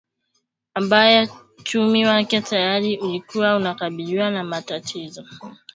ambayo uchumi wake tayari ulikua unakabiliwa na matatizo